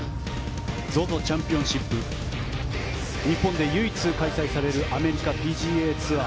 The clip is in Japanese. ＺＯＺＯチャンピオンシップ日本で唯一開催されるアメリカＰＧＡツアー。